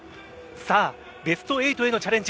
さあ、ベスト８へのチャレンジ